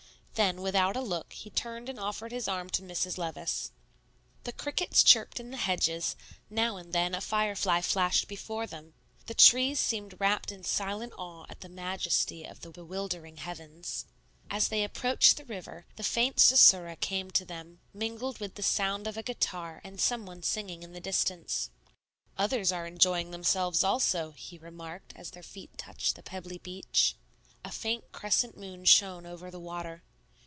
Then without a look he turned and offered his arm to Mrs. Levice. The crickets chirped in the hedges; now and then a firefly flashed before them; the trees seemed wrapped in silent awe at the majesty of the bewildering heavens. As they approached the river, the faint susurra came to them, mingled with the sound of a guitar and some one singing in the distance. "Others are enjoying themselves also," he remarked as their feet touched the pebbly beach. A faint crescent moon shone over the water.